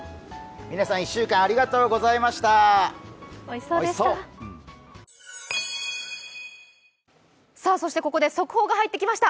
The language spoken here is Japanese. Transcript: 嶺さん、１週間、ありがとうございました。